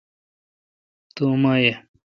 تو اوما یہ۔